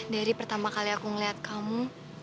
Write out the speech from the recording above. dari pertama kali aku ngeliat kamu